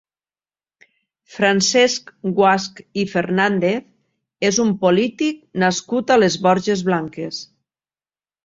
Francesc Guasch i Fernández és un polític nascut a les Borges Blanques.